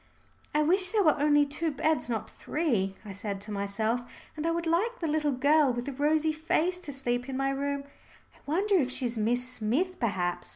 "I wish there were only two beds, not three," I said to myself. "And I would like the little girl with the rosy face to sleep in my room. I wonder if she's Miss Smith perhaps.